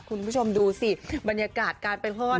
คุณผู้ชมดูสิบรรยากาศการไปห้อย